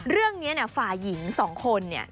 เรื่องนี้เนี่ยฝ่ายหญิงสองคนเนี่ย